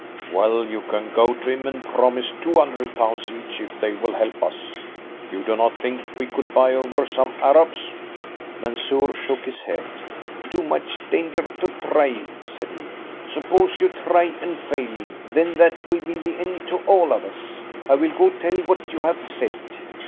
"Well, you can go to him and promise two hundred pounds each if they will help us. You do not think we could buy over some Arabs?" Mansoor shook his head. "Too much danger to try," said he. "Suppose you try and fail, then that will be the end to all of us. I will go tell what you have said."